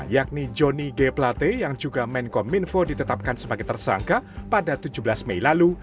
yakni johnny g plate yang juga menkom info ditetapkan sebagai tersangka pada tujuh belas mei lalu